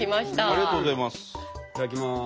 ありがとうございます。